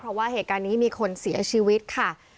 เพราะว่าเหตุการณ์นี้มีคนเสียชีวิตค่ะ